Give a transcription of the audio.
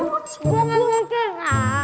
gue ngasih kek